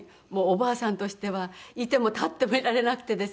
おばあさんとしてはいてもたってもいられなくてですね。